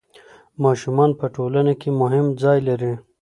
ماشومان په ټولنه کې مهم ځای لري.